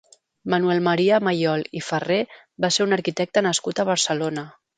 Manuel Maria Mayol i Ferrer va ser un arquitecte nascut a Barcelona.